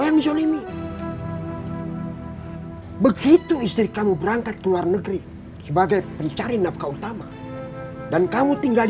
yang salah adalah kenapa kita membolak balikan kodrat dan fitrah